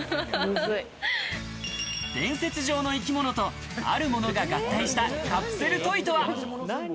伝説上の生き物と、あるものが合体したカプセルトイとは？